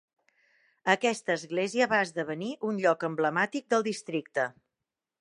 Aquesta església va esdevenir un lloc emblemàtic del districte.